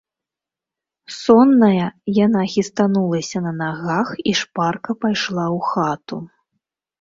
Сонная, яна хістанулася на нагах і шпарка пайшла ў хату.